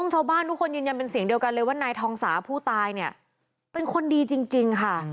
ชาวบ้านทุกคนยืนยันเป็นเสียงเดียวกันเลยว่านายทองสาผู้ตายเนี่ยเป็นคนดีจริงค่ะ